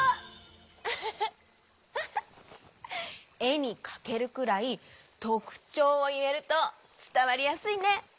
ウフフえにかけるくらいとくちょうをいえるとつたわりやすいね。